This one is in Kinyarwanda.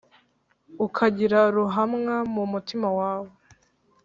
Ukangira Ruhamwa mu mutima wawe